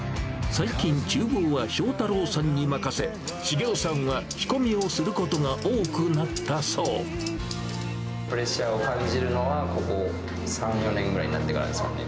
最近、ちゅう房は章太朗さんに任せ、茂夫さんは仕込みをすることが多プレッシャーを感じるのは、ここ３、４年ぐらいになってからですかね。